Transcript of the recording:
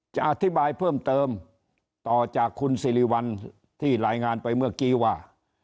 จะอธิบายเพิ่มเติมต่อจากคุณสิริวัลที่รายงานไปเมื่อกี้ว่า